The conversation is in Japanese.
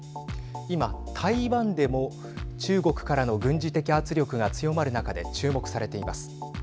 今、台湾でも中国からの軍事的圧力が強まる中で注目されています。